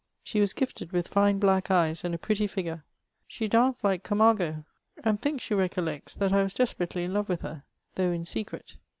She was gifted with fine black eyes and a pretty figure ; she danced like Camargo, and thinks she recollects that I was desperately in love with her, though in secret.